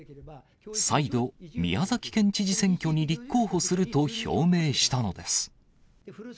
再度、宮崎県知事選挙に立候補すると表明したのです。